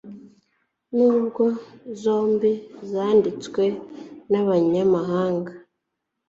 n'ubwo zombi zanditswe n'abanyamahanaga